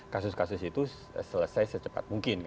kasus kasus itu selesai secepat mungkin